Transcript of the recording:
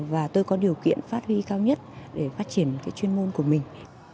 và tôi có điều kiện phát huy cao nhất để phát triển cái chuyên môn của mình